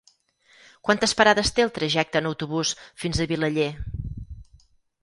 Quantes parades té el trajecte en autobús fins a Vilaller?